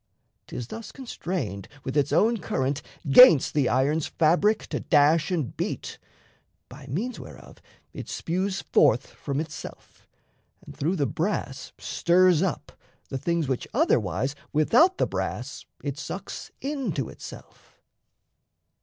'Tis thus constrained With its own current 'gainst the iron's fabric To dash and beat; by means whereof it spues Forth from itself and through the brass stirs up The things which otherwise without the brass It sucks into itself.